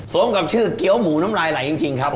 สมกับชื่อเกี้ยวหมูน้ำลายไหลจริงครับ